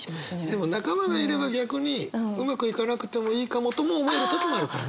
でも仲間がいれば逆にうまくいかなくてもいいかもとも思える時もあるからね。